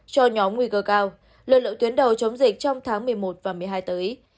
cho nhóm nguy cơ cao lực lượng tuyến đầu chống dịch trong tháng một mươi một và một mươi hai tới